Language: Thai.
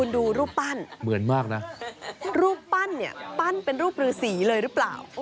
ดูรูปปั้นเหมือนมากนะรูปปั้นเนี่ยปั้นเป็นรูปรือสีเลยหรือเปล่า